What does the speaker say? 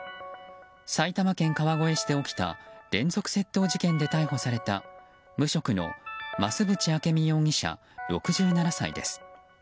埼玉県川越市で起きた連続窃盗事件で逮捕された無職の増渕明美容疑者６７歳です。